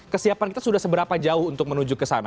kesiapan kita sudah seberapa jauh untuk menuju ke sana